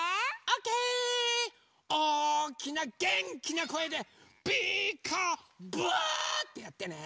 おおきなげんきなこえで「ピーカーブ！」ってやってね。